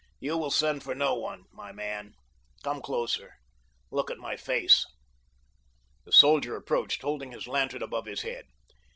"You will send for no one, my man. Come closer—look at my face." The soldier approached, holding his lantern above his head.